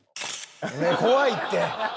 怖いって！